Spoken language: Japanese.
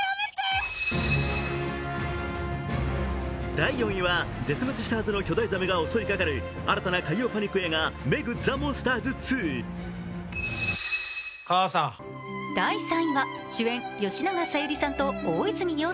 第４位は絶滅したはずの巨大ザメが襲いかかる新たな海洋パニック映画「ＭＥＧザ・モンスターズ２」。と絶賛。